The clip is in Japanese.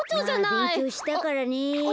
まあべんきょうしたからね。